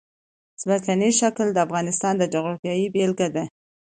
ځمکنی شکل د افغانستان د جغرافیې بېلګه ده.